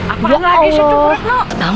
apaan lagi sedih beratnya